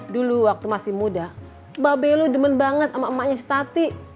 dulu waktu masih muda mbak belu demen banget sama emaknya si tati